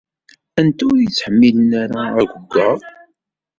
Anta ur yettḥemmilen ara aɣewwaɣ?